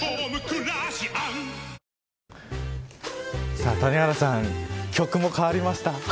さあ、谷原さん曲も変わりました。